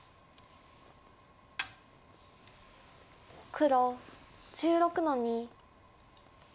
黒１６の二。